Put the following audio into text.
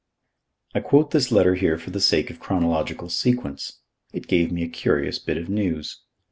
I quote this letter here for the sake of chronological sequence. It gave me a curious bit of news.